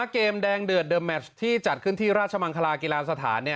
เกมแดงเดือดเดอร์แมชที่จัดขึ้นที่ราชมังคลากีฬาสถาน